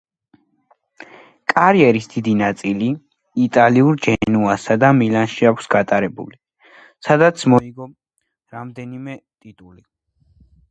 კარიერის დიდი ნაწილი იტალიურ ჯენოასა და მილანში აქვს გატარებული, სადაც მოიგო რამდენიმე ტიტული.